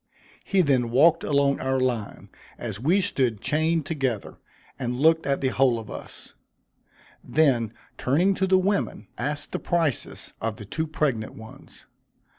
He then walked along our line, as we stood chained together, and looked at the whole of us then turning to the women, asked the prices of the two pregnant ones.